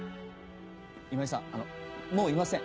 今井さんあのもういません。